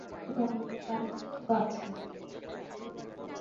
কিন্তু অন্য প্রাণীগুলোর তো আছে।